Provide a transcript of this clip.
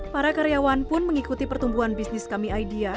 para karyawan pun mengikuti pertumbuhan bisnis kami idea